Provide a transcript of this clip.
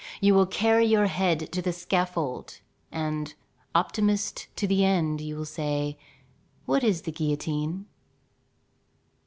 You will carry your head to the scaffold, and, optimist to the end, you will say: "What is the guillotine?